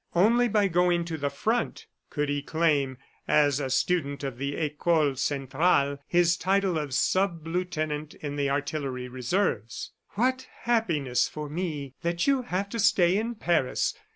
Only by going to the front could he claim as a student of the Ecole Centrale his title of sub lieutenant in the Artillery Reserves. "What happiness for me that you have to stay in Paris!